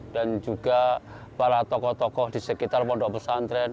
dan juga para tokoh tokoh di sekitar pondok pesantren